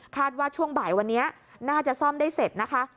ว่าช่วงบ่ายวันนี้น่าจะซ่อมได้เสร็จนะคะ